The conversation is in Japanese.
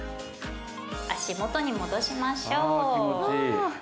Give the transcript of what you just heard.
足、もとに戻しましょう。